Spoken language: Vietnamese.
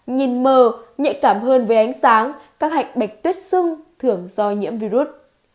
nhìn mờ nhạy cảm hơn với ánh sáng các hạch bạch tuyết xưng thường do nhiễm virus